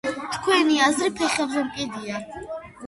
თქვენი აზრი ფეხებზე მკიდია.